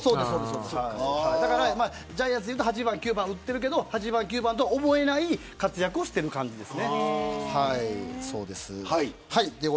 ジャイアンツでいうと８番、９番を打ってるけどそうは思えない活躍をしています。